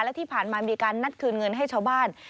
และที่ผ่านมามีการนัดคืนเงินให้ชาวบ้าน